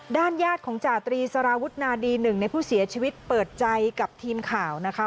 ญาติของจาตรีสารวุฒนาดีหนึ่งในผู้เสียชีวิตเปิดใจกับทีมข่าวนะคะ